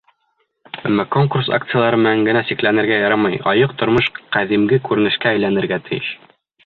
Әммә конкурс-акциялар менән генә сикләнергә ярамай, айыҡ тормош ҡәҙимге күренешкә әйләнергә тейеш!